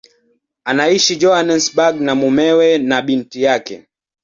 Anaishi Johannesburg na mumewe na binti yake.